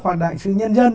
hoặc đại sứ nhân dân